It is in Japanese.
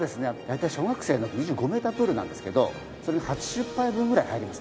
大体小学生の２５メータープールなんですけど８０杯分ぐらい入りますね。